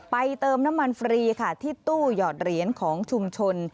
เติมน้ำมันฟรีค่ะที่ตู้หยอดเหรียญของชุมชน